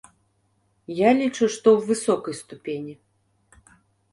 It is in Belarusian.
Я лічу, што ў высокай ступені.